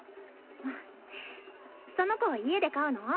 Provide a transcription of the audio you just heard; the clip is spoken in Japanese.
その子家で飼うの？